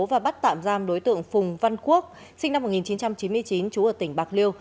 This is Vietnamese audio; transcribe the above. và bắt tạm giam đối tượng phùng văn quốc sinh năm một nghìn chín trăm chín mươi chín trú ở tỉnh bạc liêu